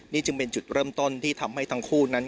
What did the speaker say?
นี่จึงเป็นจุดเริ่มต้นที่ทำให้ทั้งคู่นั้น